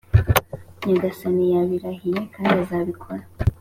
nyagasani yabirahiye kandi azabikora.